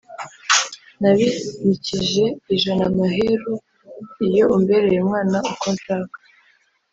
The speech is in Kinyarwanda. N’abinikije ijanaMaheru iyo umbereyeUmwana uko nshaka